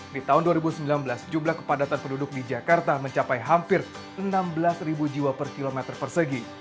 di tahun dua ribu sembilan belas jumlah kepadatan penduduk di jakarta mencapai hampir enam belas jiwa per kilometer persegi